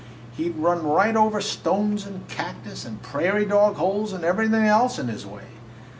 He 'd run right over stones and cactus and prairie dog holes and everything else in his way.